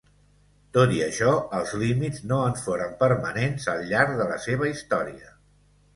Tot i això, els límits no en foren permanents al llarg de la seva història.